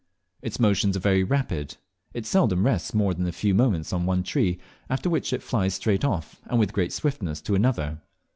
Its motions are very rapid. It seldom rests more than a few moments on one tree, after which it flies straight off, and with great swiftness, to another.